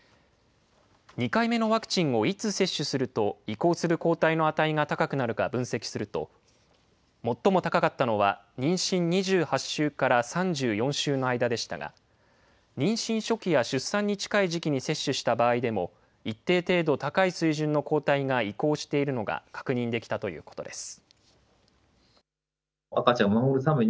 ２回目のワクチンをいつ接種すると移行する抗体の値が高くなるか分析すると、最も高かったのは妊娠２８週から３４週の間でしたが、妊娠初期や出産に近い時期に接種した場合でも一定程度高い水準の抗体が移行しているのが確認できたということです。